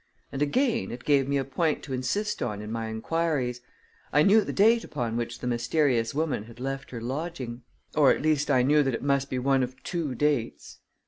And again, it gave me a point to insist on in my inquiries I knew the date upon which the mysterious woman had left her lodging. Or, at least, I knew that it must be one of two dates.